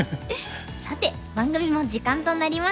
さて番組も時間となりました。